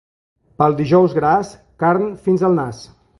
Pel Dijous Gras, carn fins al nas.